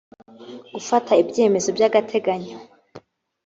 gufata ibyemezo by agateganyo